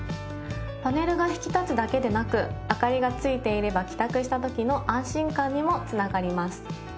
パネルが引き立つだけでなく明かりがついていれば帰宅したときの安心感にもつながります。